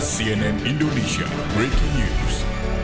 cnn indonesia breaking news